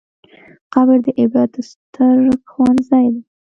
قبر د عبرت ستر ښوونځی دی.